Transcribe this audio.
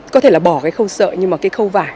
có thể là bỏ cái khâu sợi nhưng mà cái khâu vải